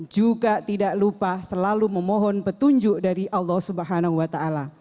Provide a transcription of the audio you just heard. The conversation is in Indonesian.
juga tidak lupa selalu memohon petunjuk dari allah swt